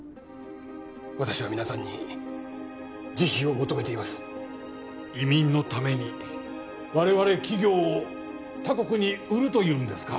私は皆さんに慈悲を求めています移民のために我々企業を他国に売るというんですか？